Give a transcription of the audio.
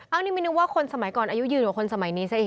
อ้าวนี่มีนึงว่าคนสมัยก่อนอายุยืนกว่าคนสมัยนี้สิ